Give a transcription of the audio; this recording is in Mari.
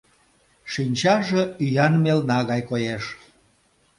Шинчаже ӱян мелна гай коеш.